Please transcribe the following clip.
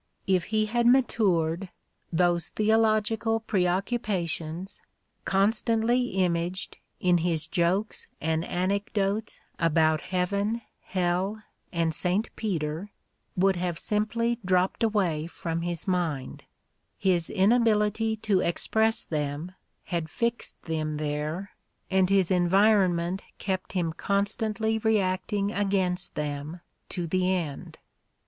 If he had matured, those theological preoccupa tions, constantly imaged in his jokes and anecdotes about heaven, hell and St. Peter, would have simply dropped away from his mind: his inability to express them had fixed them there and his environment kept him constantly reacting against them to the end.